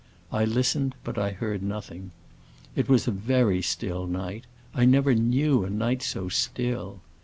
I listened, but I heard nothing. It was a very still night; I never knew a night so still.